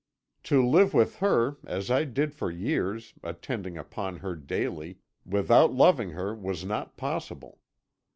To live with her as I did for years, attending upon her daily without loving her was not possible.